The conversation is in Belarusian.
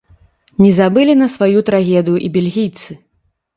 Не забылі на сваю трагедыю і бельгійцы.